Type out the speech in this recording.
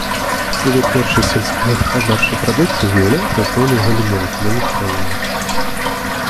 Вытворчасць сельскагаспадарчай прадукцыі з'яўляецца асноўнай галіной эканомікі раёна.